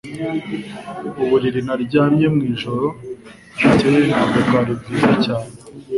Uburiri naryamye mwijoro ryakeye ntabwo bwari bwiza cyane.